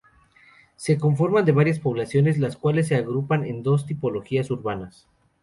Se conforma de varias poblaciones, las cuales se agrupan en dos tipologías urbanas.